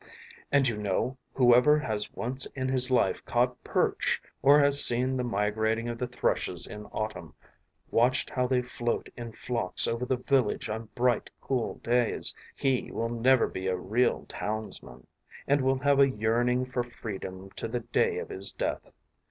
And, you know, whoever has once in his life caught perch or has seen the migrating of the thrushes in autumn, watched how they float in flocks over the village on bright, cool days, he will never be a real townsman, and will have a yearning for freedom to the day of his death.